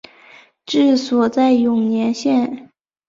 治所在永年县。